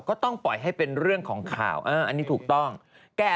ก็ต้องปล่อยให้เป็นเรื่องของข่าวอันนี้ถูกต้อง